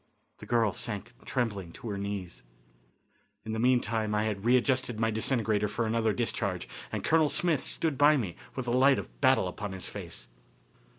The girl sank trembling on her knees. In the meantime I had readjusted my disintegrator for another discharge, and Colonel Smith stood by me with the light of battle upon his face.